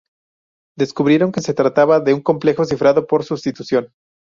Descubrieron que se trataba de un complejo cifrado por sustitución.